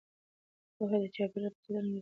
پوهه د چاپیریال په ساتنه کې مرسته کوي.